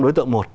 đối tượng một